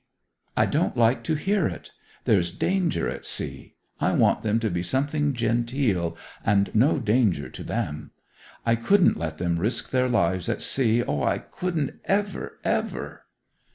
'I don't like to hear it! There's danger at sea. I want them to be something genteel, and no danger to them. I couldn't let them risk their lives at sea. O, I couldn't ever, ever!